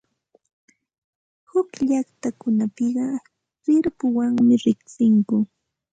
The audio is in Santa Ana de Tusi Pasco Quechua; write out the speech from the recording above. Huk llaqtakunapiqa rirpuwanmi riqsinku.